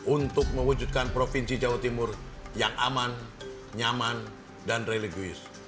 untuk mewujudkan provinsi jawa timur yang aman nyaman dan religius